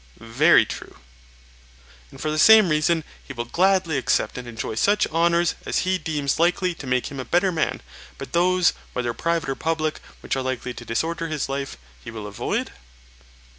Very true. And, for the same reason, he will gladly accept and enjoy such honours as he deems likely to make him a better man; but those, whether private or public, which are likely to disorder his life, he will avoid?